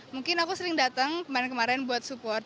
mungkin aku sering datang kemarin kemarin buat support